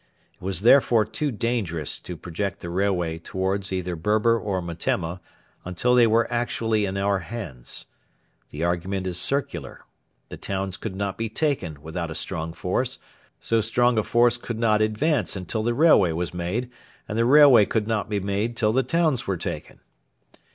It was therefore too dangerous to project the railway towards either Berber or Metemma until they were actually in our hands. The argument is circular. The towns could not be taken without a strong force; so strong a force could not advance until the railway was made; and the railway could not be made till the towns were taken.